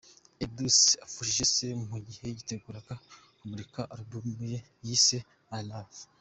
Edouce apfushije se mu gihe yiteguraga kumurika album ye yise ‘My Love’.